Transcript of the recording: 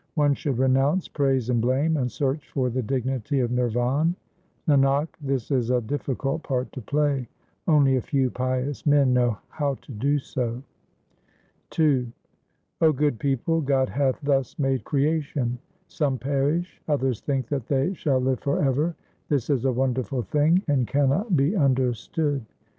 One should renounce praise and blame and search for the dignity of Nirvan : Nanak, this is a difficult part to play ; only a few pious men know how to do so. II 0 good people, God hath thus made creation — Some perish, others think that they shall live for ever ; this is a wonderful thing and cannot be understood.